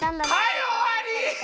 はいおわり！